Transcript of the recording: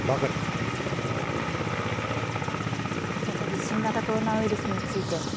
再び新型コロナウイルスについて。